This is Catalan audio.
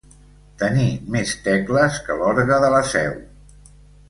Tenir més tecles que l'orgue de la Seu.